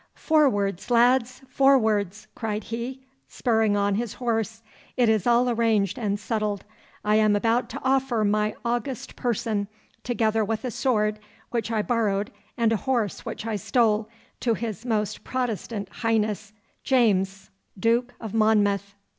'Forwards, lads, forwards!' cried he, spurring on his horse, 'it is all arranged and settled. I am about to offer my august person, together with a sword which I borrowed and a horse which I stole, to his most Protestant highness, James, Duke of Monmouth.